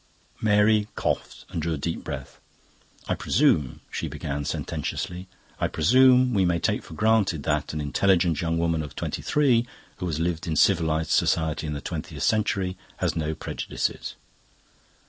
Mary coughed and drew a deep breath. "I presume," she began sententiously, "I presume we may take for granted that an intelligent young woman of twenty three who has lived in civilised society in the twentieth century has no prejudices."